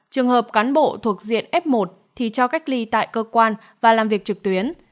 trường hợp cán bộ thuộc diện f một thì cho cách ly tại cơ quan và làm việc trực tuyến